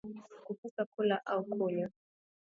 Kukosa kula au kunywa